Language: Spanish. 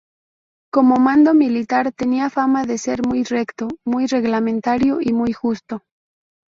Como mando militar tenía fama de ser muy recto, muy reglamentario y muy justo.